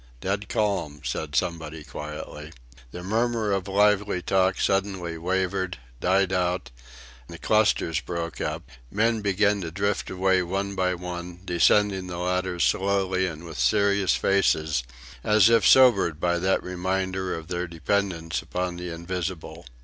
"Dead calm," said somebody quietly. The murmur of lively talk suddenly wavered, died out; the clusters broke up; men began to drift away one by one, descending the ladders slowly and with serious faces as if sobered by that reminder of their dependence upon the invisible.